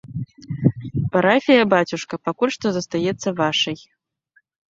Парафія, бацюшка, пакуль што застаецца вашай.